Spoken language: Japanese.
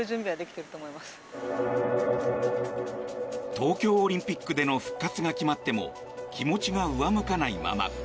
東京オリンピックでの復活が決まっても気持ちが上向かないまま。